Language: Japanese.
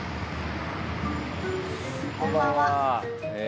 こんばんは。